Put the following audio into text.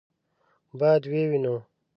باید ویې وینو.